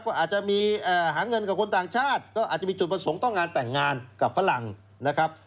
ก็อาจจะมีหาเงินกับคนต่างชาติก็อาจจะมีจุดประสงค์ต้องงานแต่งงานกับฝรั่งนะครับ